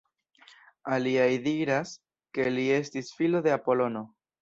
Aliaj diras ke li estis filo de Apolono.